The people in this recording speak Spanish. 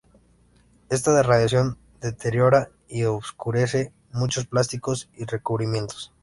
Esta radiación deteriora y oscurece muchos plásticos y recubrimientos.